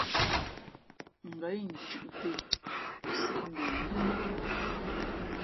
Ngα̌ incʉ̄ʼ pē nshʉ́ά ,o sīʼ mbe ngʉ́ nάʼ nā.